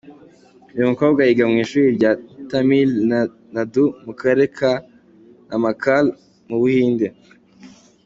Uyu mukobwa yiga mu ishuri rya Tamil Nadu mu Karere ka Namakkal mu Buhinde.